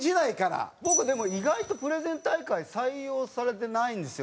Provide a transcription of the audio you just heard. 僕でも意外とプレゼン大会採用されてないんですよね。